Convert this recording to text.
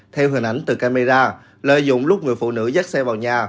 theo hình ảnh từ camera lợi dụng lúc người phụ nữ dét xe vào nhà